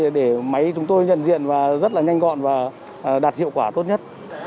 để máy chúng tôi nhận diện và rất là nhanh gọn và đạt hiệu quả tốt nhất